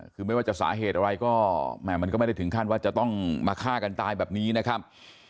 คือไม่ว่าจะสาเหตุอะไรก็มันก็ไม่ได้ถึงขั้นว่าจะต้องมาฆ่ากันตายแบบนี้นะครับ